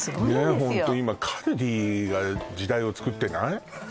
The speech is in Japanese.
ホント今カルディが時代をつくってない？